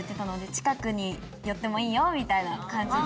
近くに寄ってもいいよみたいな感じで。